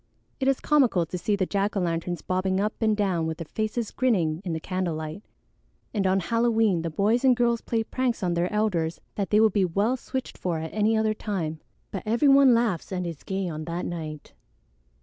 It is comical to see the jack o' lanterns bobbing up and down with their faces grinning in the candle light. And on Halloween the boys and girls play pranks on their elders that they would be well switched for at any other time; but every one laughs and is gay on that night."